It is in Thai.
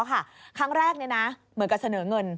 ครั้งแรกเหมือนกับเสนอเงิน